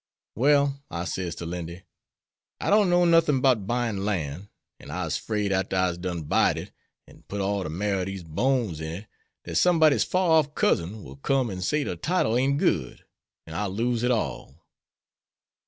Well, I says to Lindy, I dun know nuthin' 'bout buyin' lan', an' I'se 'fraid arter I'se done buyed it an' put all de marrer ob dese bones in it, dat somebody's far off cousin will come an' say de title ain't good, an' I'll lose it all."